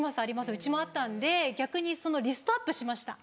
うちもあったんで逆にリストアップしました。